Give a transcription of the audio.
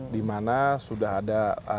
di mana sudah ada